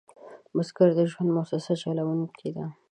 بزګر د ژوند موسسه چلوونکی دی